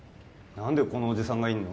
何でこのおじさんがいんの？